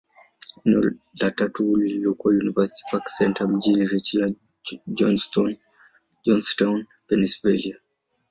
Eneo la tatu lililokuwa University Park Centre, mjini Richland, Johnstown, Pennyslvania.